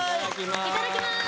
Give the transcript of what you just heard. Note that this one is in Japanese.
いただきます！